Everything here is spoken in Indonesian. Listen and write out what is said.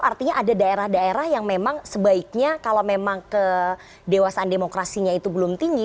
artinya ada daerah daerah yang memang sebaiknya kalau memang kedewasaan demokrasinya itu belum tinggi